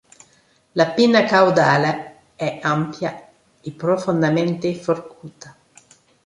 La pinna caudale è ampia e profondamente forcuta.